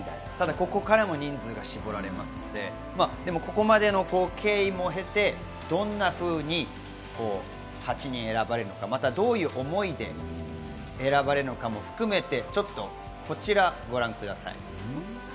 ここから人数が絞られますので、ここまでの経緯も経て、どんなふうに８人選ばれるのか、まだどういう思いで選ばれるのかも含めて、こちらをご覧ください。